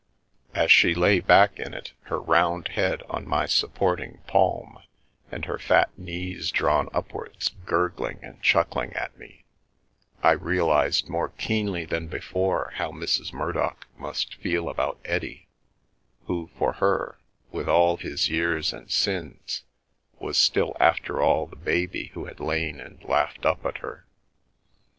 As she lay T A T The Milky Way back in it, her round head on my supporting palm and her fat knees drawn upwards, gurgling and chuckling at me, I realised more keenly than before how Mrs. Murdock must feel about Eddie, who, for her, with all his years and sins, was still after all the baby who had lain and laughed up at her.